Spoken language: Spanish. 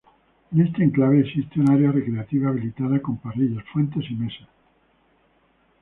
En este enclave existe un área recreativa habilitada con parrillas, fuente y mesas.